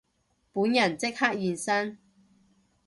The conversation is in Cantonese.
本人即刻現身